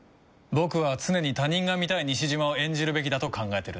僕は常に他人が見たい西島を演じるべきだと考えてるんだ。